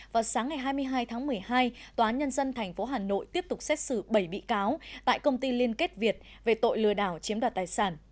vào sáng ngày hai mươi hai tháng một mươi hai tòa nhân dân tp hà nội tiếp tục xét xử bảy bị cáo tại công ty liên kết việt về tội lừa đảo chiếm đoạt tài sản